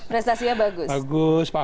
prestasinya bagus bagus pak